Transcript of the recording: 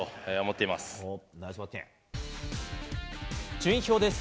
順位表です。